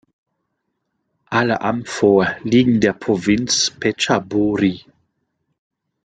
Alle Amphoe liegen der Provinz Phetchaburi.